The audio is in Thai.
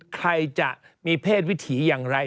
ใครจะมีเพศวิถีอย่างไร